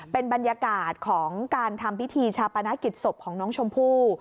เป็นบรรยากาศของการทำพิธีชาปนกิจศพของน้องชมพู่